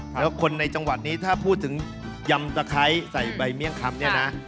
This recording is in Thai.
แล้วคนในจังหวัดนี้ถ้าพูดถึงยำตะไคร้ใส่ใบเมี่ยงคำเนี่ยนะ